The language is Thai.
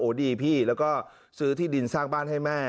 ดีพี่แล้วก็ซื้อที่ดินสร้างบ้านให้แม่